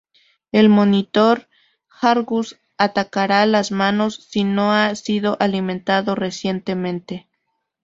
El Monitor Argus atacara las manos si no ha sido alimentado recientemente.